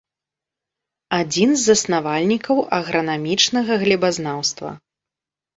Адзін з заснавальнікаў агранамічнага глебазнаўства.